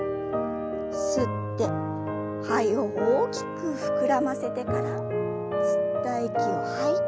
吸って肺を大きく膨らませてから吸った息を吐いて。